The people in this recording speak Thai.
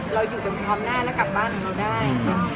เราอยู่กันพร้อมหน้าและกลับบ้านของเราได้